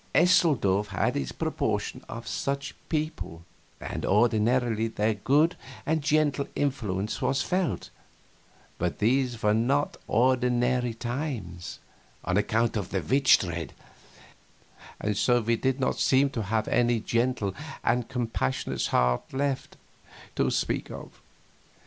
Eseldorf had its proportion of such people, and ordinarily their good and gentle influence was felt, but these were not ordinary times on account of the witch dread and so we did not seem to have any gentle and compassionate hearts left, to speak of.